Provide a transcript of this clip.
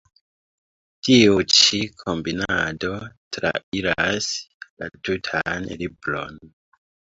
Tiu ĉi „kombinado“ trairas la tutan libron.